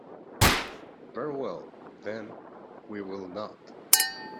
Very well, then, we will not.